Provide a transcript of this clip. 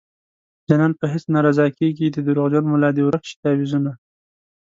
جانان په هيڅ نه رضا کيږي د دروغجن ملا دې ورک شي تعويذونه